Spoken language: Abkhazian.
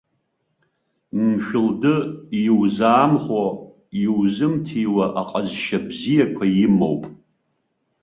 Мшәылды иузаамхәо, иузымҭиуа аҟазшьа бзиақәа имоуп.